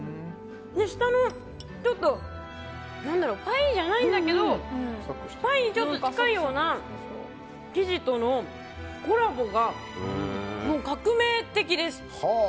下のちょっとパイじゃないんだけどパイにちょっと近いような生地とのコラボが革命的です。